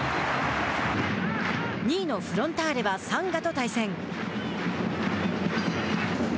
２位のフロンターレはサンガと対戦。